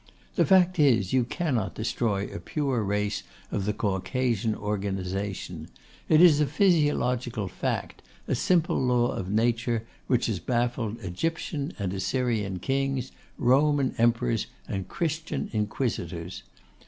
The fact is, you cannot destroy a pure race of the Caucasian organisation. It is a physiological fact; a simple law of nature, which has baffled Egyptian and Assyrian Kings, Roman Emperors, and Christian Inquisitors.